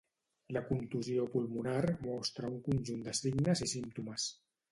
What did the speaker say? La contusió pulmonar mostra un conjunt de signes i símptomes.